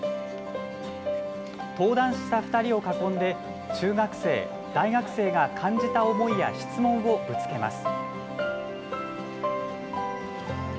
登壇した２人を囲んで中学生、大学生が感じた思いや質問をぶつけます。